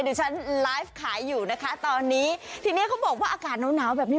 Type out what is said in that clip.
ดิฉันไลฟ์ขายอยู่นะคะตอนนี้ทีนี้เขาบอกว่าอากาศหนาวหนาวแบบนี้